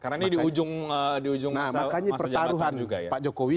nah makanya pertaruhan pak jokowi